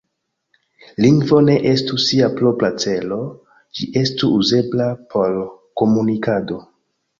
Lingvo ne estu sia propra celo, ĝi estu uzebla por komunikado.